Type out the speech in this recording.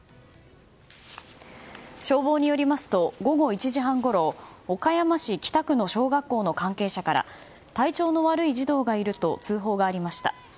消防によりますと午後１時半ごろ岡山市北区の小学校の関係者から体調の悪い児童がいると通報がありました。